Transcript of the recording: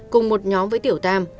cùng một nhóm với tiểu tam